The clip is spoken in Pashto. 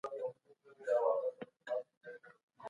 افغان حکومت د بهرنیو اتباعو د ناقانونه نیولو ملاتړ نه کوي.